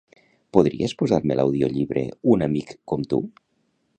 Podries posar-me l'audiollibre "Un amic com tu"?